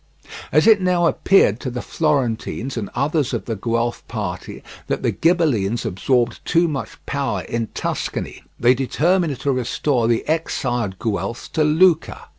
As it now appeared to the Florentines and others of the Guelph party that the Ghibellines absorbed too much power in Tuscany, they determined to restore the exiled Guelphs to Lucca.